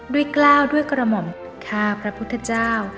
กล้าวด้วยกระหม่อมข้าพระพุทธเจ้า